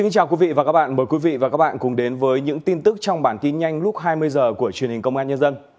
chào mừng quý vị đến với bản tin nhanh lúc hai mươi h của truyền hình công an nhân dân